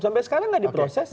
sampai sekarang gak diproses